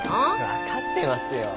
分かってますよ。